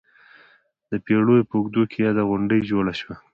د پېړیو په اوږدو کې یاده غونډۍ جوړه شوه.